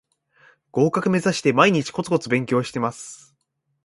合格めざして毎日コツコツ勉強してます